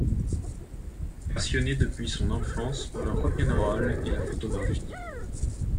Passionné depuis son enfance par le Rock 'n' roll et la photographie.